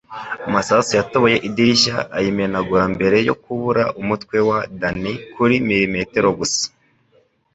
Amasasu yatoboye idirishya ayimenagura mbere yo kubura umutwe wa Danny kuri milimetero gusa.